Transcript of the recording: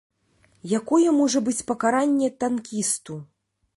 Якое можа быць пакаранне танкісту?